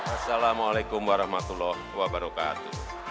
assalamualaikum warahmatullahi wabarakatuh